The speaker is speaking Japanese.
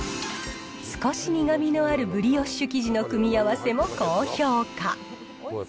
少し苦みのあるブリオッシュ生地の組み合わせも高評価。